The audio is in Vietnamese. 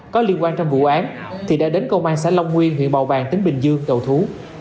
có liên quan trong vụ án thì đã đến công an xã long nguyên huyện bào bàng tỉnh bình dương đầu thú